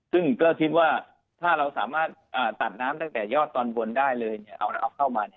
ซึ่งก็คิดว่าถ้าเราสามารถตัดน้ำตั้งแต่ยอดตอนบนได้เลยเอาเข้ามา